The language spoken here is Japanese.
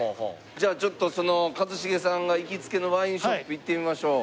じゃあちょっとその一茂さんが行きつけのワインショップ行ってみましょう。